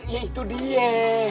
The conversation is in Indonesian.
ya itu dia